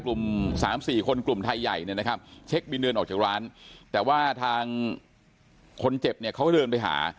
กลุ่มสามสี่คนกลุ่มไทยใหญ่เนี่ยนะครับเช็คบินเดินออกจากร้านแต่ว่าทางคนเจ็บเนี่ยเขาเดินไปหา